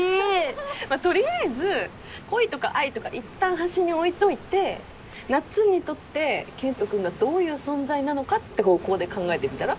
まあ取りあえず恋とか愛とかいったん端に置いといてなっつんにとって健人君がどういう存在なのかって方向で考えてみたら？